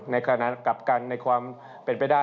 ในขณะกลับกันในความเป็นไปได้